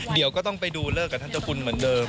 เดี๋ยวก็ต้องไปดูเลิกกับท่านเจ้าคุณเหมือนเดิม